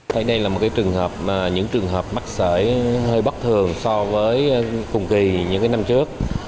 thấy đây là một trường hợp mắc sởi hơi bất thường so với cùng kỳ những năm trước